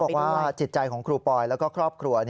บอกว่าจิตใจของครูปอยแล้วก็ครอบครัว